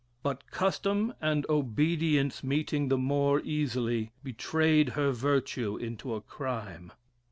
But custom and obedience meeting the more easily, betrayed her virtue into a crime.